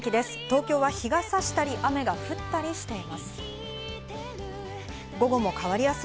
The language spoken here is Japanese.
東京は日が差したり、雨が降ったりしています。